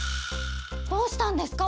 どうしたんですか？